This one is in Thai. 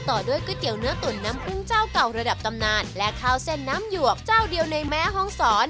ต่อด้วยก๋วยเตี๋ยวเนื้อตุ๋นน้ำกุ้งเจ้าเก่าระดับตำนานและข้าวเส้นน้ำหยวกเจ้าเดียวในแม่ห้องศร